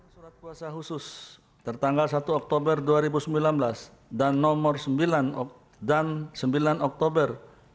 surat kuasa khusus tertanggal satu oktober dua ribu sembilan belas dan sembilan oktober dua ribu sembilan belas